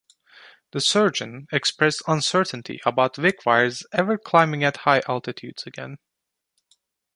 The surgeon expressed uncertainty about Wickwire's ever climbing at high altitudes again.